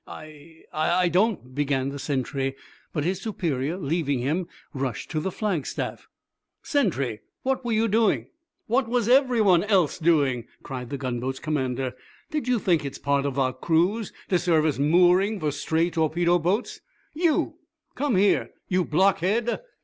"I I don't " began the sentry, but his superior, leaving him, rushed to the flagstaff. "Sentry, what were you doing? What was everyone else doing?" cried the gunboat's commander. "Did you think it a part of our cruise to serve as mooring for stray torpedo boats? You come here, you blockhead!"